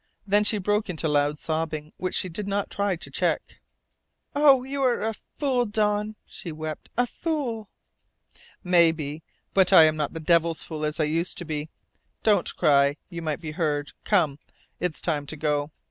Then she broke into loud sobbing, which she did not try to check. "You are a fool, Don!" she wept. "A fool!" "Maybe. But I'm not the devil's fool as I used to be. Don't cry. You might be heard. Come. It's time to go.